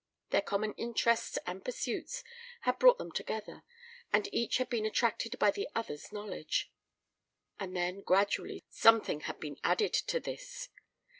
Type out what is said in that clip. Their common interests and pursuits had brought them together, and each had been attracted by the other's knowledge. And then gradually something had been added to this.